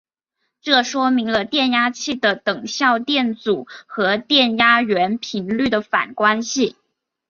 这说明了电压器的等效电阻和电压源频率的反关系。